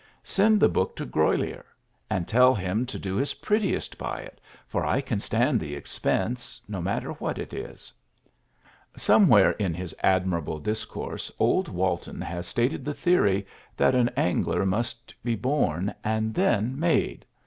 Send the book to Grolier, and tell him to do his prettiest by it, for I can stand the expense, no matter what it is." Somewhere in his admirable discourse old Walton has stated the theory that an angler must be born and then made.